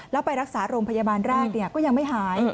แล้วไปรักษาโรงพยาบาลแรกก็ยังไม่หาย